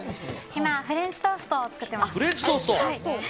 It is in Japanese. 今、フレンチトーストを作っています。